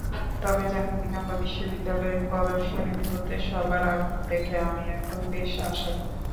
তবে জাহাঙ্গীরনগর বিশ্ববিদ্যালয়ের প্রদর্শনীগুলোতে সবার আগ্রহ দেখে আমি এখন বেশ আশাবাদী।